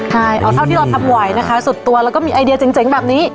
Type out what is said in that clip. ใช่เอาเท่าที่เราทำไหวนะคะสุดตัวแล้วก็มีไอเดียเจ๋งแบบนี้